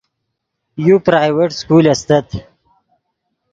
یو پرائیویٹ سکول استت